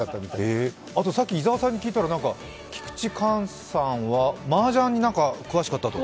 あとさっき伊沢さんに聞いたら菊池寛さんはマージャンに詳しかったと？